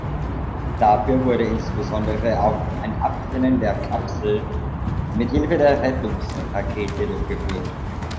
Dafür wurde insbesondere auch ein Abtrennen der Kapsel mithilfe der Rettungsrakete durchgeführt.